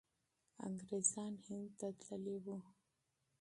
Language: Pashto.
انګریزان هند ته تللي وو.